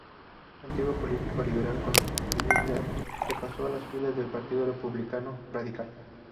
Antiguo político liberal, con posterioridad se pasó a las filas del Partido Republicano Radical.